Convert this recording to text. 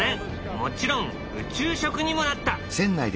もちろん宇宙食にもなった。